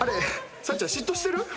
サッちゃん嫉妬してる？